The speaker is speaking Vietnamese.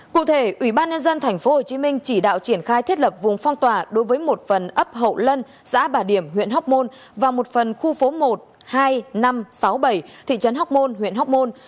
cụ thể ủy ban nhân dân tp hcm chỉ đạo triển khai thiết lập vùng phong tỏa đối với một phần ấp hậu lân xã bà điểm huyện hóc môn và một phần khu phố một hai năm sáu mươi bảy thị trấn học môn huyện hóc môn